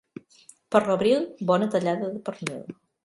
Per l'abril, bona tallada de pernil.